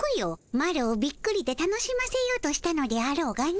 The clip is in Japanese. マロをびっくりで楽しませようとしたのであろうがの